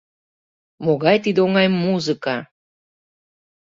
Могай тиде оҥай музыка!